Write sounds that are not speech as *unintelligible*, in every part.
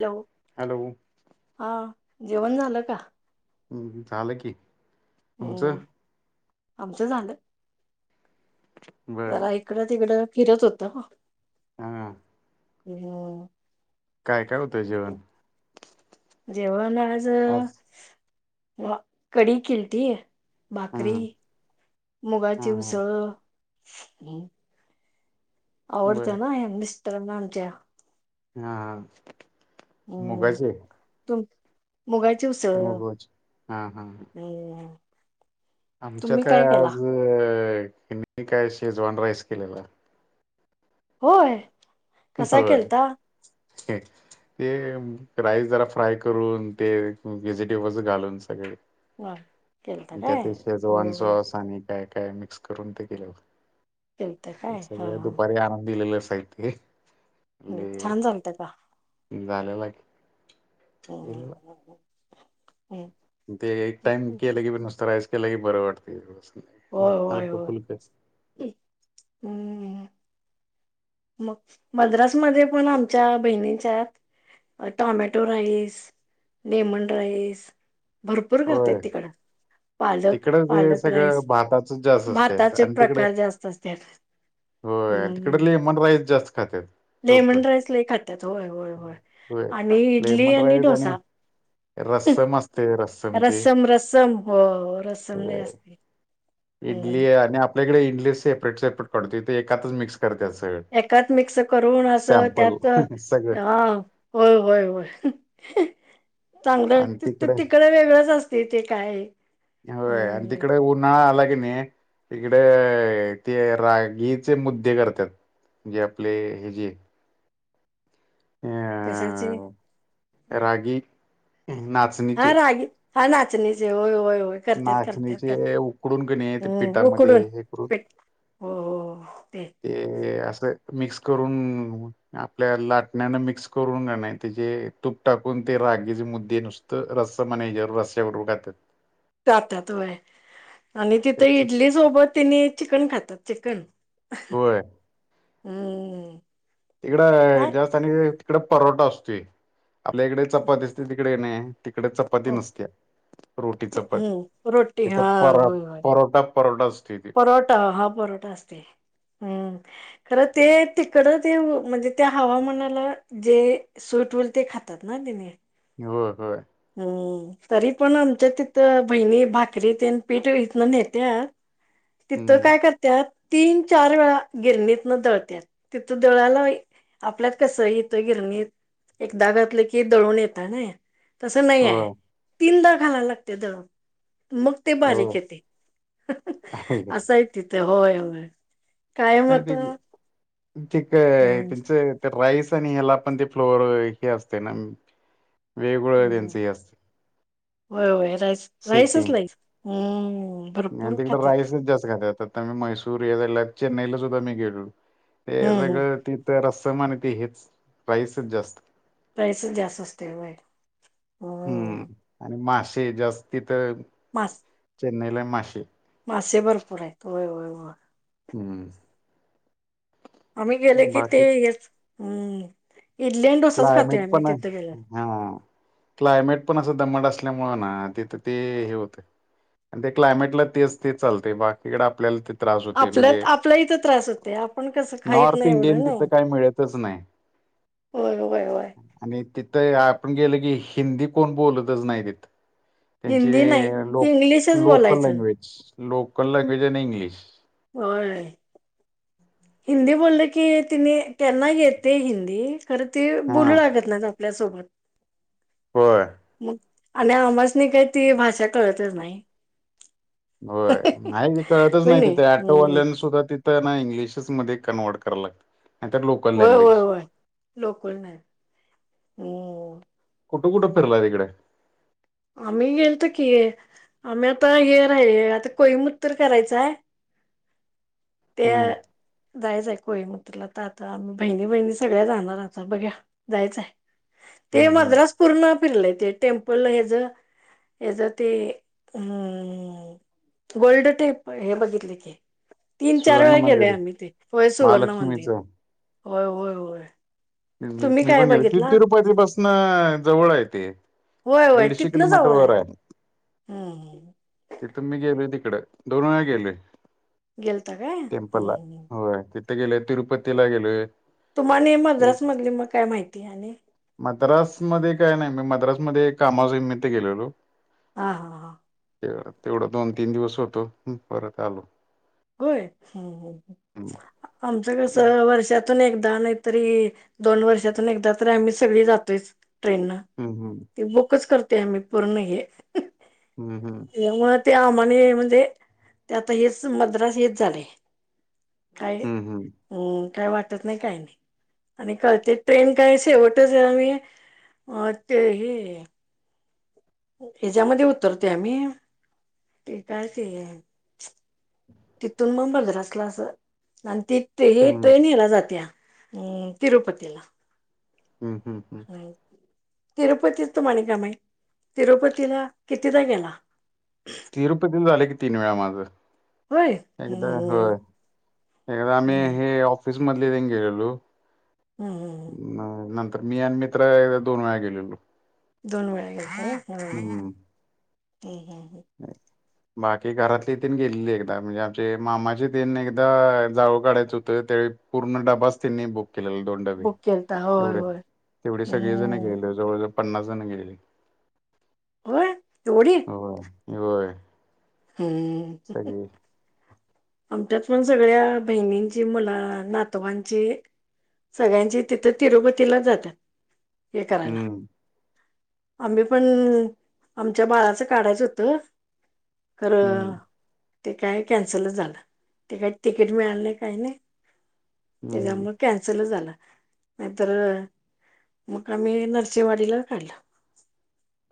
लव. Hello. हा जेवण झालं का? हम्म हम्म झालं की हम्म तुमचं? आमचं झालं बर जरा एक इकडं तिकडं फिरत होतो हम्म. हम्म हम्म. काय काय होतंय जेवण? जेवण आज अ व कढी कीलती. हा भाकरी हा मुगाची हा उसळ हम्म बर आवडत्या ना ह्या मिस्टरांना आमच्या हा हा हम्म मुगाचे. तुम मुगाची उसळ मुगच हा हम्म. आमच्या तुम्ही काय केला आज हीन काय शेजवान राईस केलेला. होय. कसा होय. केलता ते राईस जरा फ्राय करून ते वेझीटेबल घालून सगळे हा, केलता अन त्यात काय ते हो शेजवान हो सॉस आणि काय काय मिक्स करून ते केलं होतं. केलत ते काय हा सगळ हा. दुपारी आणून दिलेलं साहित्य हम्म, फुले छान झालत का घालाय हम्म लागेल. हम्म. ते एक टाइम हम्म. केलं की पण नुसतं रायस केलं की बरं वाटतय हलकं फुलकं. हम्म हम्म. मग मद्रासमध्ये पण आमच्या बहिणीच्यात अ टॉमॅटो राईस लेमन राईस भरपूर करत्यात होय तिकड. पालक तिकडं ते पालक सगळं राईस भाताच जास्त असते भाताचे आणि तिकडे प्रकार जास्त असत्यात. हम्म. तिकड लेमन राईस जास्त खातात. लोक लेमन राईस लइ खात्यात होय होय होय आणि इडली आणि डोसा. रस्सम असते रस रस्सम रस्सम हो र इडली आणि आपल्या इकडे इडली सेपरेट सेपरेट पडते तिथे एकातच मिक्स. करत्यात सगळं. एकात मिक्स करून असं सॅम्पल त्यात अ सगळं होय होय होय. चांगलं ती ती तिकडे वेगळंच असते ते काय. होय आणि हम्म तिकडे उन्हाळा आला की नाही इकडे ते रागीचे मुद्दे करतात जे आपले हे जे ह कशाचे? रागी नाच हा रागी हा नाचणीचे होय होय होय. करत्यात करत्यात करत नाचणीचे उकडून की नाही ते हम् पिठामध्ये उकडून हे करून पे हो हो हो ते. ते असं मिक्स करून आपल्या लाटण्यान मिक्स करून नाही त्याचे तूप टाकून ते रागीचे मुद्दे नुस तर रस् म्हणे जर रस्या बरोबर खातात. जातात वय आणि तिथे तेच इडलीच सोबत तिने चिकन खातात चिकन होय हम्म. काय तिकड जास्त आणि तिकड परोठा असतो आपल्या इकडे चपाती असते तिकडे णे तिकडे चपाती हो नसते रोटी प- चपाती हम्म रोटी तिथे हा पर परोठा परोठा असतो. परोटा हा परोटा असते हम्म. खरं ते तिकड ते म्हणजे त्या हवामानाला जे सुूट होईल ते खातात ना ते नीट. होय होय हम् तरी पण आमच्या तिथ बहिणी भाकरी तेन पीठ इथन नेत्या. तिथं हम्म काय करत्यात तीन चार वेळा गिरणीतन दळत्यात. तिथं दळाला आपल्यात कसं आहे यथं गिरणीत एकदा घातलं की, दळून येतां ना. तसं नाही हो आहे. तीनदा घालायला लागते दळण. मग ते हो बारीक येते. आहे का असंय तिथं. होय होय. कायम नाही ते आता ते काय हम्म त्यांचं ते राईस आणि ह्याला पण, ते फ्लोर हे असते ना. वेगवेगळं त्यांचं हम्म. हे असते होय होय राईस राईसच सेटिंग राईस. हम्म. आणि भरपूर तिकडं खातात राईसच जास्त खात्यात. आता मी मैसूर हे झालं, चेन्नईला सुद्धा मी गेलेलो. ते हम्म हम्म सगळं तिथं, रस्सम आणि ते हेच. राईसच जास्त. राईसच जास्त असतंय होय. हो. हम्म, आणि मासे जास्ती तर मास. चेन्नईला माशे. मासे भरपूर आहेत होय होय होय. हम्म. आम्ही गेले की ते बाकी हेच अं इडली आणि डोसाच खातो आम्ही तिथे गेल्यावर. हां क्लायमेट पण असं दमट असल्यामुळें ना तिथं ते हे होतंय. आणि ते क्लायमेटला तेच ते चालतंय बाकीकडें आपल्याला ते त्रास होते आपल्यात म्हणजे आपल्या इथं त्रास होतंय आपण कसं खाहीत नॉर्थ नाही इंडियन एवढं तिथं नाही. काय मिळतच नाही होय होय होय. आणि तिथं आपण गेल की हिंदी कोण बोलतच नाही तिथं. त्यांची हिंदी नाही इंग्लिशच लोक-लोकल बोलायचं language local language in English. होय. हिंदी बोललं की त्यांनी त्यांना येतंय हिंदी, खरं ती हा बोलू लागत नाहीत. आपल्यासोबत. होय. मग आणि आम्हासनी काही ती भाषा कळतच नाही. होय नाही हे कळतच नाही तिथे ऍटोवाल्यांना सुद्धा तिथं इंग्लिशच मध्ये कन्वर्ट कराला लागतंय, नाहीतर लोकल होय होय लँग्वेज. होय लोकल नाही हम्म. कुठं-कुठं फिरला तिकडे? आम्ही गेलतो की आम्ही आता हे राही आता कोईमुत्तुर करायचं आहे. ते हम्म जायचं आहे कोईमुक्तुरला आता, आता आम्ही बहिणी-बहिणी सगळ्या जाणार आता बघूया जायचं आहे. ते हम्म हम्म मद्रास पूर्ण फिरलंय ते टेम्प पल ह्याचं ह्याचं ते हम्म गोल्ड टेप हे बघितले की तीन-चार सुवर्ण वेळा गेलोय मंदिर आम्ही ते होय सुवर्ण मंदिर महालक्ष्मीचं होय होय होय. तुम्ही मी काय पण गेलतो, बघितला तिरुपती पासनं जवळ आहे ते. होय होय दीडशे तिथनं किलोममीटर जवळ वर आहे. हम्म तिथं मी गेलोय तिकडं, दोन वेळा गेलोय. गेलता काय टेम्पलला हम्म होय तिथे गेलोय तिरुपतीला गेलोय. तुम्हानी मद्रास मधली मग काय माहिती आहे आणि? मद्रासमध्ये काय नाही मी मद्रासमध्ये कामाच्या निमित्त गेलेलो. हां हां. ते तेवढं दोन-तीन दिवस होतो परत आलो. होय हम्म हम्म आमचं कसं वर्षात तून एकदा, नाहीतरी दोन वर्षातून एकदा तरी आम्ही सगळी जातोयच ट्रेननं. हम्म हम्म. ती बुकच करतोय आम्ही पूर्ण हे हम्म हम्म. त्यामुळ ते आम्हानी म्हणजे ते आता हेच मद्रास हेच झालंय. काय हम्म काय वाटत नाही काय नाही. आणि कळतंय ट्रेन काय शेवटच आम्ही ते हे ह्याच्यामध्ये उतरतोय आम्ही. ते काय ते तिथून मग मद्रास ला अस आणि ती हे हम्म ट्रेन ह्याला जात्या हम्म तिरूपतीला. हम् हम, हम. तिरुपती तुम्हांला काय माहित तिरुपतीला कितीदा गेला. तिरुपती झाले की तीन वेळा माझं. होय एकदा होय हम्म एकदा आम्ही हम्म हे ऑफिस मधले तेन गेलेलो. हम्म हम्म नंतर मी आणि मी मित्र दोन वेळा गेलेलो. दोन वेळा हम् हम्म. हम, *inaudible* बाकी घरातली तेन गेलेली एकदा म्हणजे आमचे मामाचे तेन एकदा जावळ काढायचं होतं. त्यावेळी पूर्ण डबाच त्यांनी बुक केलेला दोन डबे बुक केलता होय एवढे होय तेवढे सगळे जण हम्म गेले. जवळजवळ पन्नास जण गेलेले. व्हय एवढी? होय होय. हम्म! सगळे. आमच्यात पण सगळ्या बहिणींची मुला नातवांची सगळ्यांची तिथं तिरुपतीला जातात हे करायला. हम्म आम्ही पण आमच्या बाळाचं काढायचं होतं खर हम्म ते काय कॅन्सल झालं. ते काय तिकीट मिळालं नाही काही नाही हम्म त्याच्यामुळ. कॅन्सल झाल नाहीतर मग आम्ही नरसिंहवाडीला काढलं.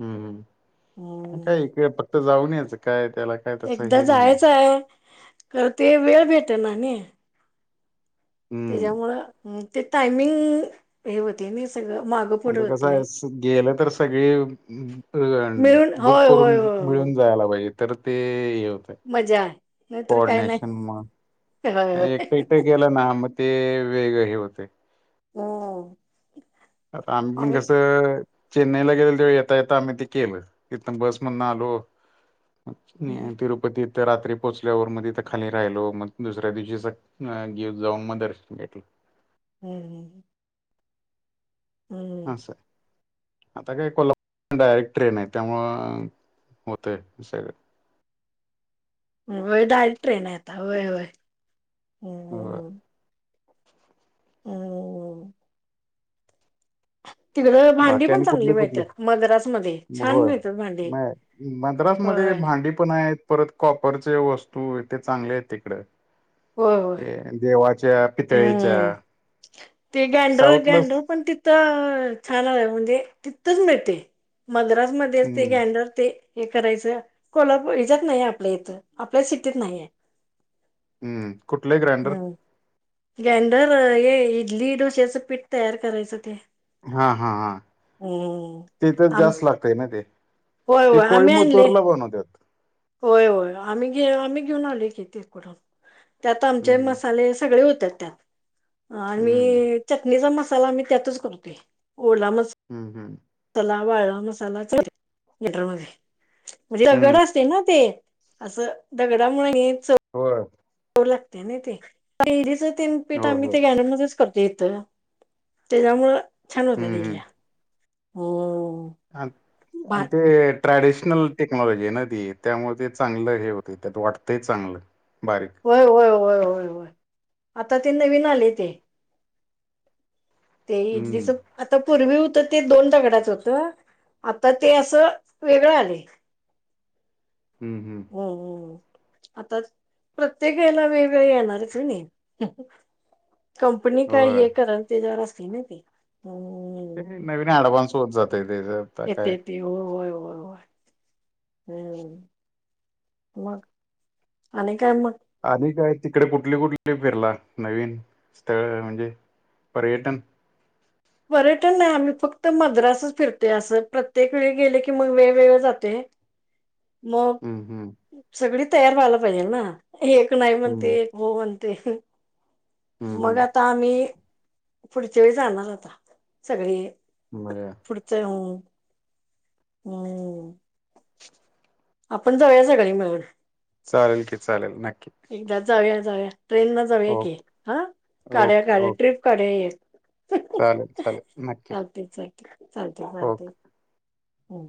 हम्म काय इकडे फक्त जाऊन यायच काय त्याला काय तसं एकदा हे नाही. जायचं आहे. तर ते वेळ भेटना नी हम्म. त्याच्यामुळं ते टायमिंग हे होतय ना सगळं मागं आणि पुढ ते कसं होतय. आहे स गेलं तर सगळी मिळून बुक होय करून होय होय होय मिळून जायला पाहिजे. तर ते हे होतय मजा आहे नाहीतर काय नाही कोऑर्डिनेशन मग होय नाही होय एकट, एकट, गेलं ना मग ते वेगळं हे होतय. हम्म! आता आम्ही पण कसं चेन्नईला गेलो तेव्हा येता येता आम्ही ते केलं इतना बस मधून आलो. हम्म तिरुपतीथ रात्री पोहोचल्यावर मध्ये तिथ खाली राहिलो. मग दुसऱ्या दिवशी सकाळी ह जाऊन मग दर्शन घेतलं. हम् हम्. अस. आता काय कोल्हापूर डायरेक्ट ट्रेन आहे त्यामूळ होतय सगळ. वय डायरेक्ट ट्रेन हाय आता होय होय. होय. हम्म हम्म,, तिकडं भांडी बाकी पण आणि चांगली कुठली कुठली मिळतात मद्रास मध्ये छान मिळतात भांडी. मद्रास मध्ये होय भांडी पण आहेत. परत कॉपरचे वस्तू ते चांगले आहेत तिकडे. होय होय. देवाच्या. पितळेच्या हम्म ते गँडर, गँडर साऊथलाच पण तिथ त छानाय म्हणजे तिथंच मिळते मद्रासमध्येच ते हम्म गॅनडर ते- हे करायचं कोल्हापूर हेच्यात न्हाई आपल्या इथं आपल्या सिटीत न्हाईये. हम्म कुठलंय ग्र्यांडर? ग्रँडर हे इडली डोश्याचं पीठ तयार करायचं ते. हा हा हा. हम्म. तीथंच आम जास्त लागतंय ना ते, होय ते होय आम्ही आणले कोईंबतूरला बनवत्यात. होय होय आमी घे आमी घेऊन आलोय की तीकडुन. त्यात आमचे हम्म मसाले सगळे होत्यात त्यात. हम्म आणि चटणीचा मसाला मी त्यातच करतुय ओला मस हम्म हम्म. तला वाळला मसालाच *unintelligible* ग्रँडर मध्ये. म्हजे दगड हम्म असते ना ते असं दगडा मुळे हे च हो. चव लागते ना ते इडलीच तीन पीठ हो आम्ही हो ते ग्रँडरमध्येच करतोयेत त्याच्यामुळ छान होत्यात हम्म ईडल्या हो. अन् अन भात ते ट्रॅडिशनल टेक्नॉलॉजी आय ना ती त्यामुळं ते चांगलं हे होतय त्यात वाटतंय चांगलं बारीक. होय होय होय होय होय आता ते नविन आली ते. ते इडलीच हम्म आता पूर्वी हुतं ते दोन दगडाच होतं आता ते असं वेगळं आलय. हम्म हम्म. आताच प्रत्येक वेळला वेगवेगळ येणारच नी. कंपनी काय होय हे करल त्याच्यावर असते ना ते. हम्म ते नवीन आडवान्स होत जातय त्याच्यात. यते यते हो होय होय होय हम्म मग? आणि काय मग? आणी काय तिकडं कुठली कुठली फिरला नवीन स्थळं म्हणजे पर्यटन? पर्यटन नाय आम्ही फक्त मद्रासच फिरतोय असं प्रत्येक वेळी गेले की मग वेगवेगळं जातोय. *inaudible* मग हम्म हम्म सगळी तयार व्हायला पायजेनना एक नाही हम्म म्हणते. हो म्हणते हम्म मग हम्म आता आम्ही पुढच्या वेळी जाणार आता सगळे. *unintelligible* पुढचंय हम्म हम्म. आपण जाऊया सगळे मीळुन. चालेल की चालेल नक्की. एकदा जाऊया जाऊया, ट्रेन न जाऊया की, ओके हा काढुया ओके काढुया ओके ट्रिप काढुया एक. चालेल चालेल नक्की चालतय, चालतय, चालतय, ओके चालतय हम्म.